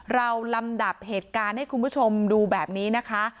ลำดับเหตุการณ์ให้คุณผู้ชมดูแบบนี้นะคะ